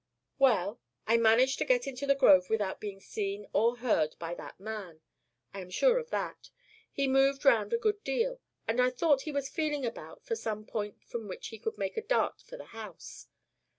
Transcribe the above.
"Well, I managed to get into the grove without being either seen or heard by that man. I am sure of that. He moved round a good deal, and I thought he was feeling about for some point from which he could make a dart for the house.